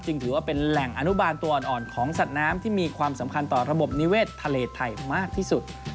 ถือว่าเป็นแหล่งอนุบาลตัวอ่อนของสัตว์น้ำที่มีความสำคัญต่อระบบนิเวศทะเลไทยมากที่สุด